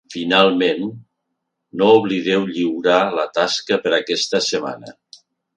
Finalment, no oblideu lliurar la tasca per a aquesta setmana.